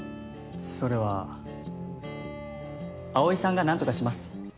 それは青井さんがなんとかします。